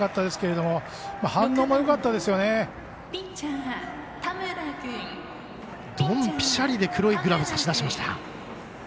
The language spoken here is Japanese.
どんぴしゃりで黒いグラブ差し出しました。